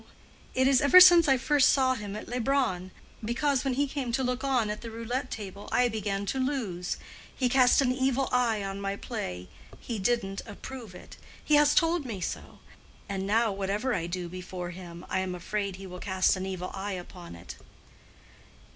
It is ever since I first saw him at Leubronn. Because when he came to look on at the roulette table, I began to lose. He cast an evil eye on my play. He didn't approve it. He has told me so. And now whatever I do before him, I am afraid he will cast an evil eye upon it."